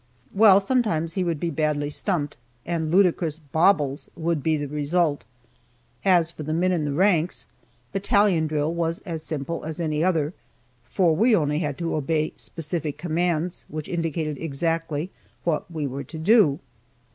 Well, sometimes he would be badly stumped, and ludicrous "bobbles" would be the result. As for the men in the ranks, battalion drill was as simple as any other, for we only had to obey specific commands which indicated exactly what we were to do.